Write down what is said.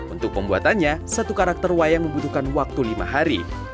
untuk pembuatannya satu karakter wayang membutuhkan waktu lima hari